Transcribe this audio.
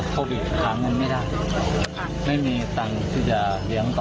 โควิดหาเงินไม่ได้ไม่มีตังค์ที่จะเลี้ยงต่อ